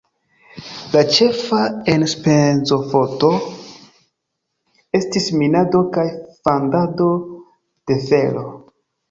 La ĉefa enspezofonto estis minado kaj fandado de fero.